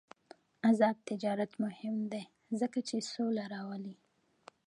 آزاد تجارت مهم دی ځکه چې سوله راولي.